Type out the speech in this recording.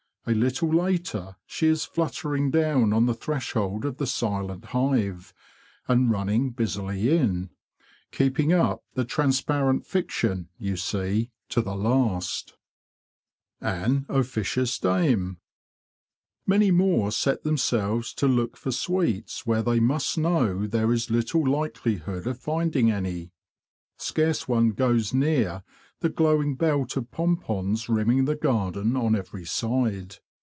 A little later she is fluttering down on the threshold of the silent hive, and running busily in, keeping up the transparent fiction, you see, to the last. M 178 THE BEE MASTER OF WARRILOW An Officious Dame Many more set themselves to look for sweets where they must know there is little likelihood of finding any. Scarce one goes near the glowing belt of pompons rimming the garden on every side.